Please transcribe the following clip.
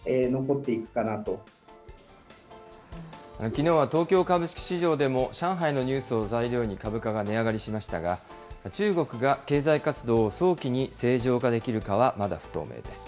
きのうは東京株式市場でも、上海のニュースを材料に株価が値上がりしましたが、中国が経済活動を早期に正常化できるかはまだ不透明です。